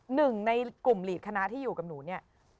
หนึ่งในกลุ่มหลีดคณะที่อยู่กับหนูเนี่ย